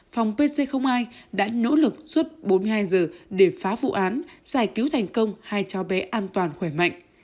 phòng pc hai đã nỗ lực suốt bốn mươi hai giờ để phá vụ án giải cứu thành công hai cháu bé an toàn khỏe mạnh